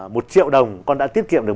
một triệu đồng con đã tiết kiệm được